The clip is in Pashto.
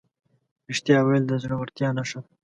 رښتیا ویل د زړهورتیا نښه ده.